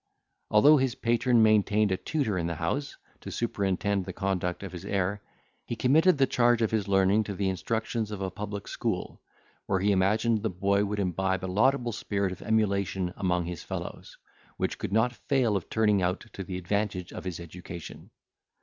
Although his patron maintained a tutor in the house, to superintend the conduct of his heir, he committed the charge of his learning to the instructions of a public school; where he imagined the boy would imbibe a laudable spirit of emulation among his fellows, which could not fail of turning out to the advantage of his education.